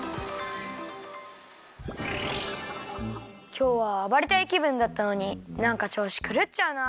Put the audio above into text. きょうはあばれたいきぶんだったのになんかちょうしくるっちゃうな。